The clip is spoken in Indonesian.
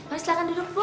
oh silahkan duduk bu